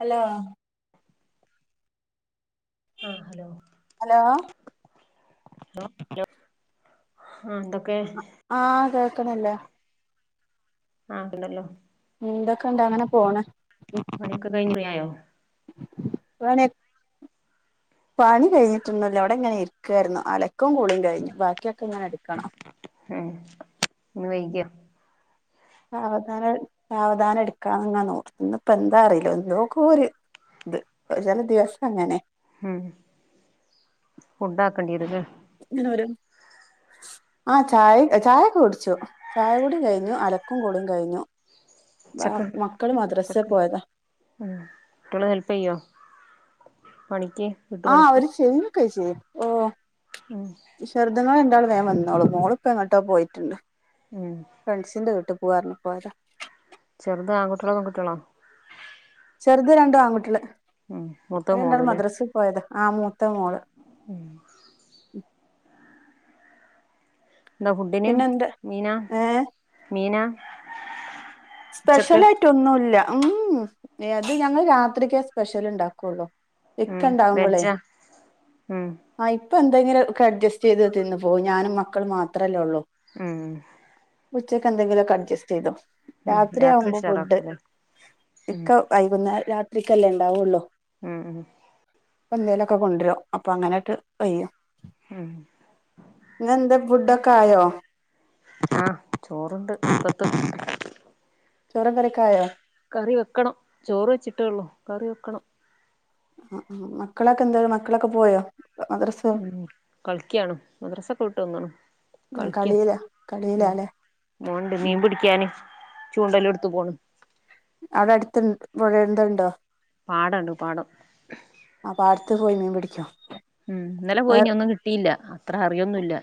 Hello ആഹ് hello hello ലോ ലോ ആഹ് എന്തൊക്കെ ക്കണല്ലേ ആഹ് കണ്ടല്ലോ എന്തൊക്കെണ്ട് അങ്ങനെ പോണ് പണിയൊക്കെ കഴിഞ്ഞ് ഫ്രീ ആയോ പണി പണി കഴിഞ്ഞിട്ടൊന്നല്ല അവിടെ ഇങ്ങനെ ഇരിക്കായിരുന്നു അലക്കും കൂളിയും കഴിഞ്ഞു ബാക്കിയൊക്കെ ഇങ്ങനെ എടുക്ക ഏഹ് ഇന്ന് വൈക്യോ സാവധാനം സാവധാനം എടുക്കാന്ന്ങ്ങ നോർന്ന് ഇപ്പ എന്താ അറീല എന്തൊക്കോര് ത് ചെല ദിവസ ങ്ങനെ ഉം ഫുഡ്ഡാക്കണ്ട്യേരുലെ ഇങ്ങനെരോ ആഹ് ചായ് ചായ കുടിച്ചു ചായ കൂടി കഴിഞ്ഞു അലക്കും കുളിം കഴിഞ്ഞു ഉച്ചക്ക് മക്കള് മദ്രസേ ഉച്ചക്ക് പോയതാ ഉം കുട്യൾ ഹെൽപ്പ യ്യോ ആഹ് അവര് ശയ്യും കൈസ് ഓ ഉം [unintelligible] രണ്ടാളും വേം വന്നോളും മോള് ഇപ്പോ എങ്ങട്ടോ പോയിട്ടുണ്ട് ഉം ഫ്രണ്ട്സിന്റെ വീട്ട് പോവാ പറഞ്ഞു പോയതാ ചെറുത് ആൺകുട്ട്യേളൊ പെങ്കുട്ട്യേളൊ ചെറുത് രണ്ടും ആൺകുട്ട്യള് മൂത്തത് രണ്ടാളും മോളുല്ലേ മദ്രസ്സി പോയത ആ മൂ ഉം എന്താ ഫുഡ്ഡിന് പിന്നെ എന്റെ മീന ഏ മീന സ്പെഷ്യലായിട്ടൊന്നുല്ല ഉം യ്യഅത് ഞങ്ങൾ രാത്രിക്കെ സ്പെഷ്യൽ ഉണ്ടാക്കുള്ളൂ ഉം എക്കണ്ടാവുമ്പോളെ വെജ്ജാ ഉം ആ പ്പെന്തെങ്കിലും ഒക്കെ അഡ്ജസ്റ്റ് ചെയ്ത് തിന്ന് പോവും ഞാനും മക്കൾ മാത്രല്ലേ ഉള്ളു ഉം ഉച്ചയ്ക്ക് എന്തെിലൊക്കെ അഡ്ജസ്റ്റ് ചെയ്തോ ഉം രാത്രി രാത്രിയാവുമ്പോ ഫുഡ്ഡ് ഉഷാറാക്കൂലേ ഉം ഇക്ക വൈകുന്നെ രാ തിക്കല്ലേ ഉണ്ടാവുള്ളൂ ഉം ഉം എന്തേലൊക്കെ കൊണ്ട്രും അപ്പൊ അങ്ങനട്ട് കയ്യും ഉം ഇന്നെന്ത്‌ ഫുഡ്ഡ് കായോ ആഹ് ചോറ്ണ്ട് ഇപ്പത്തും ചോറും കറിയൊക്കെ ആയോ കറി വെക്കണം ചോറ് വെച്ചിട്ടേഉള്ളൂ കറി വെക്കണം അ ആഹ് മക്കളൊക്കെ എന്ത മക്കളൊക്കെ പോയോ മദ്രസ ഉം കളിക്കാണ് മദ്രസൊക്കെ വിട്ട് വന് ആ കളിക്ക കളിയിലാ കളിയിലാല്ലേ പോണുണ്ട് ഉം മീൻ പിടിക്കാന് ചൂണ്ടലൂട്ത്തു പോണ് [unintelligible] ന്ത്ണ്ടോ പാടണ്ട് പാടം അ പാടത്തു പോയി മീൻ പിടിക്ക [unintelligible] ഉം ഇന്നലെ പോയിനി ഒന്നും കിട്ടീല്ല അത്ര അറിയൊന്നുല്ല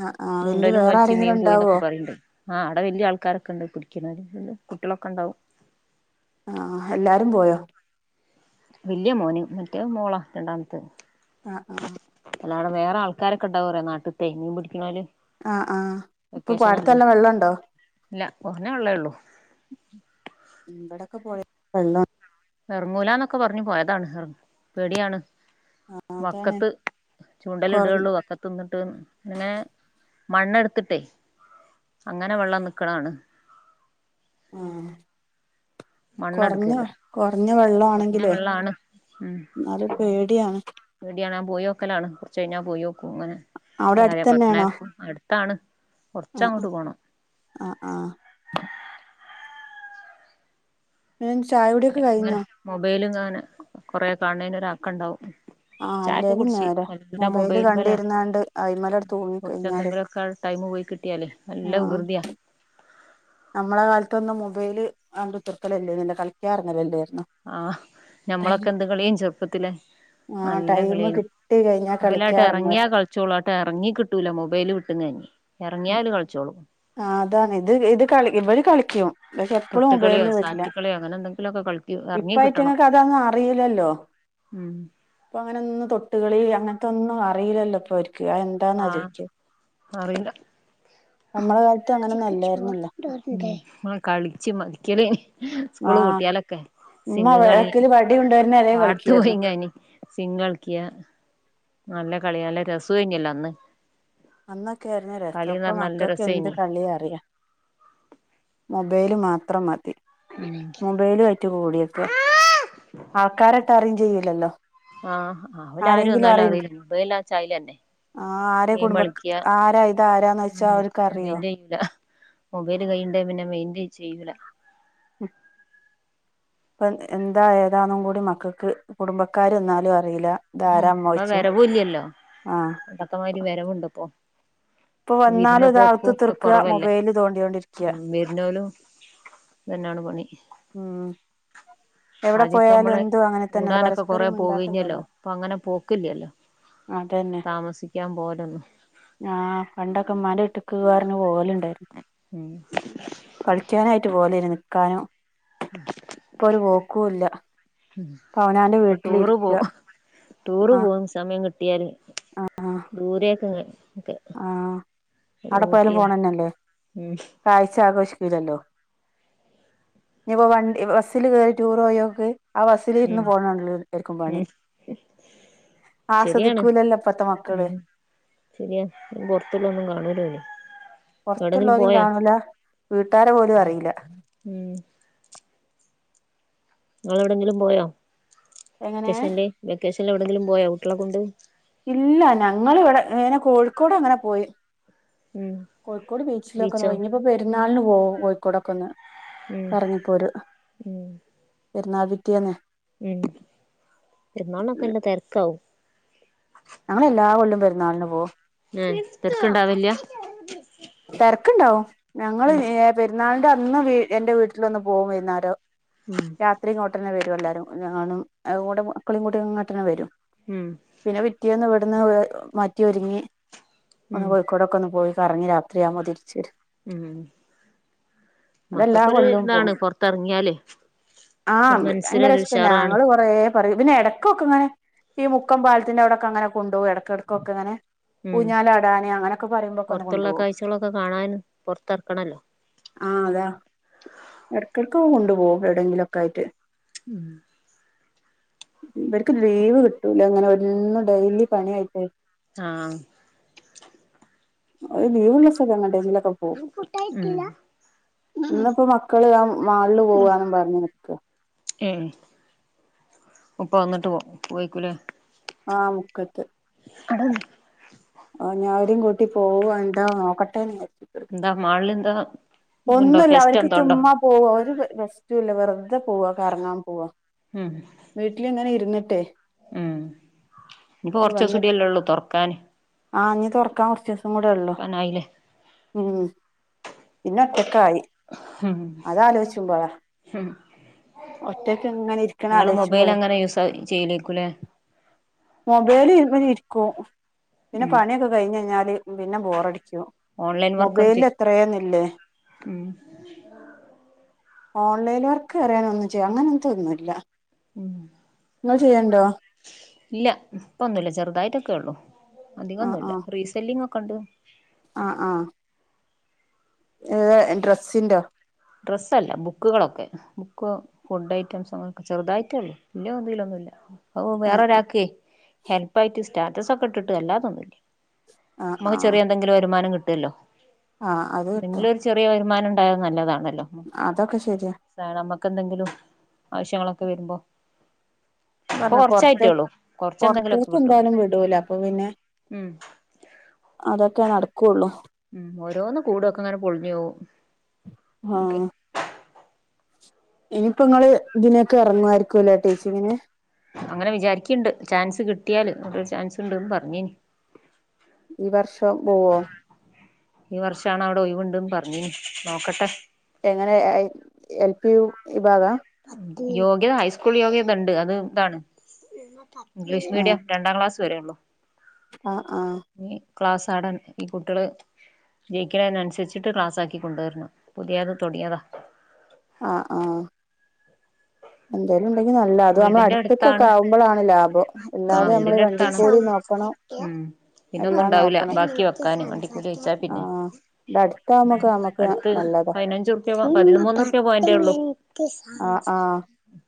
ആ ആ വല്യ ചൂണ്ടലും വേറെ വലിച്ച് ആരെങ്കിലും മീൻ ഉണ്ടാവോ പോയിന്നൊക്കെ പറയണ്ട് ആ അവിടെ വലിയ ആൾക്കാരൊക്കെ ഉണ്ട് [unintelligible] കുട്ടിളൊക്കെ ഉണ്ടാവും ആഹ് എല്ലാരും പോയോ വല്യേ മോന് മറ്റേ മോളാ രണ്ടാമത്തെ ആ ആ വേറെ ആൾക്കാരൊക്കെ ഉണ്ടാവുംലെ നാട്ട്ത്തെ മീൻ പിടിക്കണോല് ആഹ് ആഹ് ഇപ്പൊ പാടത്തെ എല്ലാം വെള്ളണ്ടോ കൊറഞ്ഞ വള്ളേ ഉള്ളൂ ഇവിടൊക്കെ പൊയ വെള്ളം എറങ്ങുലന്നൊക്കെ പറഞ്ഞുപോയതാണ് പേടിയാണ് ആ അതാണ് വക്കത്ത് ചൂണ്ടല കൊറഞ്ഞ ഇടോള്ളൂ വക്കത്ത് നിന്നിട്ട് അങ്ങനെ മണ്ണെടുത്തിട്ടേ അങ്ങനെ വെള്ളം നിക്കണാണ് ആഹ് മണ്ണെടുക്കല്ലോ കുറഞ്ഞ വെള്ളാണെങ്കിലേ വെള്ളാണ് ഉം എന്നാലും പേടിയാണ് പേടിയാണ് പോയി നോക്കലാണ് കുറച്ച് കഴിഞ്ഞാ പോയി നോക്കും ഒന്ന് അങ്ങനെ അവിടെ അല്ലേ ആരെ അടുത്തന്നെയാണോ പറഞ്ഞേക്കും അടുത്താണ് കുറച്ച ആ അങ്ങോട്ട് പോണം ആ ആ ചായ കുടിയോക്കെ കഴിഞ്ഞോ കൊറെ കാണ്നേന് ഒരാക്ക ഉണ്ടാവും ആഹ് അല്ലേലും നേരാ മൊബൈല് മൊബൈൽമേലാ കണ്ടിരുന്നാണ്ട് അയിമലട് തൂങ്ങി കൊറച്ച് കഴിഞ്ഞാല് എന്തെങ്കിലുമൊക്കെ ടൈമ് പോയി കിട്ടിയാലേ നല്ല ആഹ് വികൃതിയാ നമ്മളെ കാലത്തൊന്നും മൊബൈല് കണ്ട് കുത്തർക്കൽ അല്ലെന്നല്ലോ കളിക്കാറങ്ങലല്ലേ ആഹ് ഞമ്മളൊക്കെ എന്ത് കളിയ്യേ ചെറുപ്പത്തില് ആഹ് നല്ല ടൈമ് കളിയെനു കിട്ടി കഴിഞ്ഞാ ഇബലങ്ങട്ട് എറങ്ങിയാ കളിക്കാറങ്ങായിരുന്നു കളിച്ചോളും അങ്ങട്ട് എറങ്ങി കിട്ടൂല മൊബൈല് വിട്ടു [unintelligible] ആ അതാണ് ഇത് ഇത് കളി ഇവര് കളിക്കും പക്ഷെ എപ്പഴും തൊട്ടുകളിയോ മൊബൈൽ വരില്ല സാറ്റുകളിയോ അങ്ങനെ എന്തെങ്കിലുമൊക്കെ കളിക്കും ഇപ്പ എറങ്ങി കിട്ടണം അയ്റ്റങ്ങക്ക് അതന്നും അറിയില്ലല്ലോ ഉം ഇപ്പ അങ്ങനെ ഒന്ന് തൊട്ടുകളിലാ ങ്ങനത്തൊന്നും അറിയില്ലല്ലോ ഇപ്പോര് [unintelligible] എന്താന്ന ആഹ് ചോയിക്ക അറിയില്ല നമ്മള കാലത്ത് അങ്ങനൊന്നല്ലാരുന്നല്ല ആഹ് കളിച്ച് മതിക്കല് സ്കൂള് ആഹ് പൂട്ടിയാലൊക്കെ ഉമ്മ സിങ്ങ് കളി ബേക്കില് വടി കൊണ്ടുവരുന്ന വരെ പാടത്ത് കളിക്കുവായിരുന്നു പോയിങ്ങനി സിങ്ങളിക്യാ നല്ല കളി നല്ല രാസ്വീന്നല്ലേ അന്ന് അന്നൊക്കെ ആരുന്നു രസം കളീന്ന് ഇപ്പ പറഞ്ഞാ നല്ല മക്കക്ക് എന്ത് രസേനി കളിയറിയാ മൊബൈല് മാത്രം മതി മൊബൈലു ആയിറ്റ് കൂടിയെക്ക ആൾക്കാര ത്തറേഞ്ചേയ്യൂല്ലല്ലോ ആഹ് അവല് ആരു വന്നാലും അറിയില്ലന്നെ മുബൈലാച്ചാ അയിലന്നെ ആ ആരെ കുടുംബ ഗൈമളി ആരാ ഇത് ആരാന്ന് വെച്ചാ അവര്ക്കറിയോ? മെയിന്റ് ചെയ്യൂല മൊബൈല് കയ്യിണ്ടെ പിന്നെ മൈന്റ് ചെയ്യൂല ഉം [unintelligible] ഇപ്പം എഹ് എന്താ ഏതാന്നും കൂടി മക്കക്ക് കുടുംബക്കാര് വന്നാലും അർ ഉം പ്പ വരവൂല്യല്ലോ ആഹ് പണ്ടത്തെമാരി വരവുണ്ടോ ഇപ്പോ ഇപ്പൊ വിരുന്ന് വന്നാലും ഇത് പോക്കും അകത്ത് ഒക്ക തീർക്കുക കൊറവല്ലേ മൊബൈല് തോണ്ടിയോണ്ടിരിക്കുക ഉം വിരുന്നോലും ഇതന്നാണ് പണി ഉം എവിടെ ആദ്യൊക്കെ പോയാലും നമ്മള് എന്തും അങ്ങനെ തന്നെയല്ലേ കൂടാനൊക്കെ കൊറേ പരസ്പരം പോവീഞ്ഞല്ലോ മിണ്ടാട്ടയില്ലല്ലോ ഇപ്പൊ അങ്ങനെ പോക്കില്ലല്ലോ അതെന്നെ താമസിക്കാൻ പോവലൊന്നും ആഹ് പണ്ടൊക്ക ഉമ്മാന്റെ വീട്ടിക്ക് പറഞ് പോകലുണ്ടാര്ന്നു ഉം കളിക്കാനായിട്ട് പോലാര്ന്ന് ക്കാനും [unintelligible] [unintelligible] പ്പൊരു പോക് ക്കൂല്ല ആഹ് ഞാന് ഇപ്പൊ ടൂറ് വീട്ട്ലിരിയ്ക്കാ പോവും ടൂറ് പോകും സമയം കിട്ട് ട്ടിയാല് [unintelligible] ആഹ് ദൂരേക്കെങ്ങാൻ ആഹ് അവ്ടെ പോയാലും ഊട്ടിയോ പോണന്നല്ലേ ഉം കാഴ്ച ആഘോഷിക്കുലല്ലോ ഇനിപ്പോ വൺ ബസ്സില് കേറി ടൂറ് പോയോക്ക് ആ ബസ്സില് ഇരുന്ന് ഉം പോണണല്ലോ എല്ലോർക്കും പണി ഉം ശരിയാണ് ആസ്വദിക്കൂലല്ലോപ്പത്തെ മക്കള് പൊറത്തുള്ള ഒന്നും കാണൂല പിന്നെ പൊറത്തുള്ളരേം കാണൂല വീട്ടാരെ പോലും അറിയില്ല ഉം നിങ്ങള് എവിടെങ്കിലും പോയോ എങ്ങനെ വെക്കേഷന്ല് വെക്കേഷൻ എവിടെങ്കിലും പോയോ കുട്ടികളെ കൊണ്ട് ഇല്ല ഞങ്ങൾ ഇവിടെ പിനെ കോഴിക്കോട് അങ്ങനെ പോയി ഉം കോഴിക്കോട് ബീച്ചിലൊക്കെ ബീച്ചോ നോയി ഇഞ്ഞിപ്പോ പരുന്ന ഞളിന് പോകും കോയിക്കോടക്കൊന്ന് ഉം ഉം പെരുന്നാൾ പിറ്റേന്ന് ഉം പരുന്നാൾ നോക്കെ എല്ലാ തരക്കാവും ഞങ്ങൾ എല്ലാ കൊല്ലം പരുന്നാളിന് പോ ഏ തർക്ണ്ടാവല്യാ തരക്ണ്ടാവും ഞങ്ങള് ഏ പെരുന്നാൾന് അന്ന് എന്റെ വീട്ടില് ഒന്ന് പോകും വൈന്നാരം ഉം രാത്രിങ്ങോട്ടന്നെ വരും എല്ലാരും ഞാനും ഓരെ മക്കളേം കൂട്ടി ഇങ്ങട്ടന്നെ വരും ഉം പിന്നെ പിറ്റേന്ന് ഇവിടുന്ന് മ റ്റി ഒര്ങ്ങി ഒന്ന് ഉം കോഴിക്കോട്ക്കൊന്ന് പോയി പറഞ്ഞി ത്രിയാവുമ്പോ തിരിച്ച് വരും ഉം അതെല്ലാ മക്കൾക്കൊരു കൊല്ലോം പോവും ഇതാണ് പുറത്തിറങ്ങിയാലേ ആ ഒരു ഭയങ്കര മനസ്സിനൊരു ഇഷ്ടന്നെ ഉഷാറാണ് ഞങ്ങള് കൊറേ പറയും പിന്നെ ഇടക്കൊക്കെന്ന് ഈ മുക്കം പാലത്തിൻന്റെ അവിടൊക്കെങ്ങനെ കൊണ്ടോകും എടക്കെടക്കൊക്കെങ്ങനെ ഉം ഊഞ്ഞാലാടാന് അങ്ങനൊക്കെ പറയുമ്പോക്കൊന്ന് കൊണ്ടോവും ച്ചളൊക്കെ കാണാൻ പൊറത്തറക്കണല്ലോ കൊണ്ട് പോകും എവിടെങ്കിലൊക്കായിട്ട് ഉം ഇവര്ക്ക് ലീവ് കിട്ടൂലങ്ങനെന്നും ഡെയിലി പണിയായിട്ടെ ആ ളും ലീവ്ള്ളീസ്സം എങ്ങട്ടങ്കിലൊ പോവും ഉം ഇന്ന്പ്പോ മക്കള് ആ മാളില് പോവാന്നും പറഞ് നിക്ക എ ഉപ്പ വന്നിട്ട് പോ പോവേക്കൂലേ ആ മുക്കത്ത് അട ഞാടേം കൂട്ടി പോവ എന്താ നോക്കട്ടെന്ന് വിചാരിച്ചിരിക്ക എന്താ മാൾല്ന്താ ഒന്നുല്ല അവർക്ക് ചുമ്മാ പോവ അവര് സ്റ്റുല്ല വെറുതെ പോവ കറങ്ങാൻ പോവാ ഉം വീട്ടില് ഇങ്ങനെ ഇര് ന്നട്ടെ ഉം ഇനിപ്പോ വന്നിട്ട് കൊറചൂസുടിയല്ലെള്ളൂ തൊർ ക്കാന് ആ ഞ്ഞ് തൊറക്കാ കുറച്ചീസ് കൂടെള്ളൂ തുറക്കാനായില്ലേ ഉം പിന്ന ഒറ്റക്കായി ഉം അതലോയ്ച്ചുമ്പോഴാ ഉം ഒറ്റക്കിങ്ങനെ നിങ്ങള് മൊബൈൽ ഇരിക്കണലോയ്ച്ചുമ്പളെ അങ്ങനെ യൂസ് ചെയ്യലേക്കൂലേ മൊബൈല് ഇ കോ പിന്നെ ഉം പണിയൊക്കെ കഴിഞ്ഞയ്ഞ്ഞാല് പിന്നെ ബോറടി ഓൺലൈൻ വർക്കും മൊബൈല് ചെയ് എത്രേന്നില്ലേ ഉം ഓൺലൈൻ വർക്കറിയാനും ഒന്നും ചെയ്യാ അങ്ങനെത്തെന്നുല്ല ഉം ഇങ്ങൾ ചെയ്യേണ്ടോ ഇല്ല ഇപ്പൊന്നുല്ല ചെറുതായിട്ടൊക്കെ ഉള്ളു ആ അധികൊന്നുല്ല ആ റീസെല്ലിംഗ് ഒക്കെ കണ്ട് ആ ആ ഏ ഡ്രസ്സിന്റെോ ഡ്രസ്സല്ല ബുക്കുകളൊക്കെ ബുക്ക് ഫുഡ് ഐറ്റംസ് അങ്ങനെയൊക്കെ ചെറുതായിട്ടേ ഉള്ളൂ വല്യ തിലൊന്നുല്ല ഓ ആ വേറെ ഒരാക്ക് ഹെൽപ്പായിട്ട് ചെ സ്റ്റാറ്റസ് ഒക്കെ ഇട്ട് അല്ലാതൊന്നുല്ല ആ ആ നമുക്ക് ചെറിയ എന്തെങ്കിലും വരുമാനം കിട്ടും [unintelligible] ആ അത് കിട്ടോ വരുമാനണ്ടായ നല്ലതാണ് അതൊക്കെ ശരിയാ ക്ക് എന്തെങ്കിലും ആവശ്യങ്ങളൊക്കെ വരുമ്പോ ഇപ്പൊ പറഞ്ഞ പുറത്തേക്ക് കൊറച്ചായിട്ടേള്ളൂ കൊറച്ചെന്തെങ്കിലുമൊക്കെ പൊറത്തേക്ക് കിട്ടും എന്തായാലും വിടൂല അപ്പൊ പിന്നെ ഉം അതൊക്കെ നടക്കുള്ളൂ ഉം ഓരോന്ന് കൂടും ഒക്കെ ങ്ങനെ പൊളിഞ്ഞോവും ആ ഇനിയിപ്പോ ങ്ങള് ഇതിനൊക്കെ ഇറങ്ങുവായിരിക്കുവല്ലേ അങ്ങനെ വിചാരിക്ക്ണ്ട് ചാൻസ് കിട്ടിയാല് ഒരു ചാൻസ് ഉണ്ട്ന്ന് പറഞ്ഞീനി ഈ വർഷം [unintelligible] ഈ വർഷാണവിടെ ഒഴിവ്ണ്ടന്ന് പറഞ്ഞീനി നോക്കട്ടെ എങ്ങനെ എൽ പി യു ഈ ഭാഗ യോഗ്യത ഹൈസ്കൂൾ യോഗ്യത ഉണ്ട് അത് എതാണ് ഇംഗ്ലീഷ് ആഹ് മീഡിയം രണ്ടാംക്ലാസ് ത് വരെ ഉള്ളൂ ആഹ് ആഹ് ക്ലാസ്സാടാൻ ഈ കുട്ടികള് ജയിക്കണന്നുസരിച്ചിട്ട് ക്ലാസ് ആക്കി കൊണ്ടുവരണം പുതിയത് തുടിയതാണ് ആഹ് ആഹ് എന്തേലും ഉണ്ടെങ്കി നല്ല അത് നമ്മളെ വീടിന്റെ അടുത്ത്ക്കൊക്കെ അടുത്താണ് ആവുമ്പളാണ് ലാഭം ആ അല്ലാതെ നമ്മള് വീടിന്റെ അടുത്താണ് വണ്ടിക്കൂലി നോക്കണം ഉം പിന്നെ ഒന്നും എല്ലാം ഉണ്ടാവില്ല നോക്കണം ബാക്കി വെക്കാനും വണ്ടിക്കൂല വച്ചാ പിന്നെ ആഹ് ഇത് അടുത്താവുമ്പൊക്കെ നമുക്ക് അടുത്ത് നല്ലതാ പതിനഞ്ചു റുപ്യ പതിമൂന്ന് റൂപ്യ പോയിന്റേ ഉള്ളു ക് ആഹ് സംസാരിക്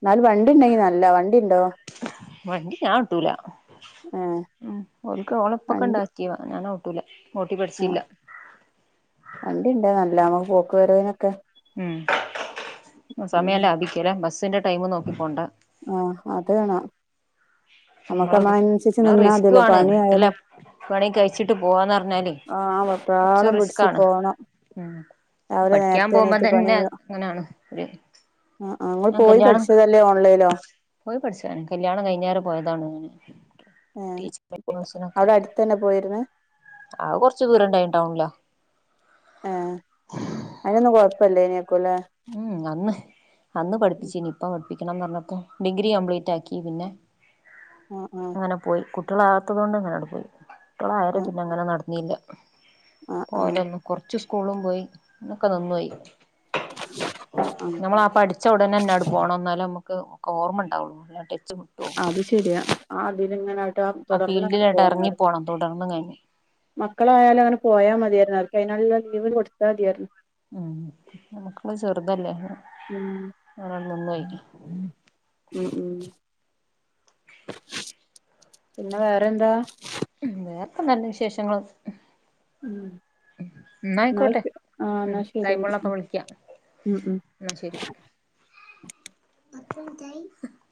എന്നാല് വണ്ടി ഉണ്ടെങ്കി നല്ല വ വണ്ടി ഞാൻ ഓട്ടുല ഏഹ് ഉം ഒക്ക് ഒളപ്പൊക്കെ ഉണ്ടാക്കിയ ഞാൻ ഓ ഓട്ടുല ആ വണ്ടിണ്ട് നല്ലാണോ പോക്ക് വരവിനൊക്കെ ഉം സമയല്ല അഭിക്കല്ല ബസ് ന്റെ ടൈം നോക്കിക്കൊണ്ട ആഹ് അത് വേണം നമുക്ക് നമ്മളനുസരിച്ച് നമ്മള് നിന്നാ റിസ്ക് മതിയല്ലോ ആണ് വീട്ടല്ല പണിയായാലും പണി കഴിച്ചിട്ട് പോവാന്ന് പറഞ്ഞാല് ആഹ് കുറച്ച വെപ്രാളം റിസ്ക് പിടിച്ച് ആണ് പോണം രാവിലെ പഠിക്കാൻ നേരത്തെ പോകുമ്പോ എണീറ്റ് പണി തന്നെ അങ്ങനെയാണ് ഒരു ആ അങ്ങോട്ട് ഞാൻ പോയി കല്യാണം പഠിച്ചതല്ലേ ഓൺലൈൻ പോയി പഠിച്ചതാണ് കല്യാണം കഴിഞ്ഞേര പോയതാണ് ഞാൻ ഏഹ് ടീച്ചിങ് കോഴ്സിനൊക്കെ അവിടെ അടുത്തന്നെ പോയിരുന്ന് അത് കൊറച് ദൂരണ്ടായി ടൗണിലാ ഏ അതിനൊന്നും കൊഴപ്പ പ്പല്ലീനോ [unintelligible] ഉം അന്ന് അന്ന് പഠിപ്പിച്ചീനി ഇപ്പ പടിക്കണംന്ന് പറഞ്ഞപ്പോ ഡിഗ്രി കംപ്ലീറ്റ് ആക്കി പിന്നെ ആഹ് ആഹ് അങ്ങനെ പോയി - [unintelligible] കൊണ്ട് ആണ്ട് പോയി ആ അതൊക്കെ ആഹ് പിന്നെ അങ്ങനെ നടന്നില്ല ആഹ് [inaudible] ആഹ് ഓലൊന്നും കൊറച്ചു കൂളും പോയി ഇന്ന് ഒക്കെ നിന്നോയി ആഹ് ആഹ് നമ്മളാ പഠിച്ച ഉടനെന്നാണ് പോണം ന്നാല നമ്മ ക്ക് ഓർമ്മ ഉണ്ടാവുള്ളൂ [unintelligible] അത് ശരിയാ ആ അതിനിങ്ങനെ ട്ടാം ആ തുടർന്ന് അങ്ങട്ട് ഫീൽഡിലാട്ട് എറങ്ങി പോണോല്ലോ പോണം തുടർന്നും കഴിഞ്ഞ് മക്കളായാലു അങ്ങനെ പോയാ മതിയാര്ന്നു ആര്ക്കു അയിനടീല് [unintelligible] കൊടുത്താ മതിയാര്ന്നു ഉം മക്കള് ചെറുതല്ലേ ഉം [unintelligible] നിന്നോയി ഉം ഉം പിന്നെ വേറെന്താ വേറൊക്കെ നല്ല വിശേഷങ്ങള് ഉം ഇന്നായിക്കോട്ടെ ന്നായിക്ക് ആഹ് ഉം എന്നാ ശരി ടൈം എങ്കി ഉള്ളപ്പോ വിളിക്ക ഉം ഉം എന്നാ ശെരി [inaudible]